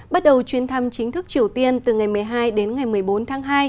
bắt đầu chuyến thăm chính thức triều tiên từ ngày một mươi hai đến ngày một mươi bốn tháng hai